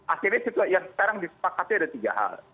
akhirnya situasi yang sekarang disepakati ada tiga hal